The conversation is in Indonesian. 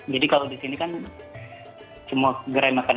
jadi kalau di sini kan semua gerai makanannya